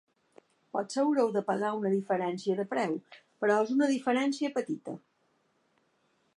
Potser haureu de pagar una diferència de preu, però és una diferència petita.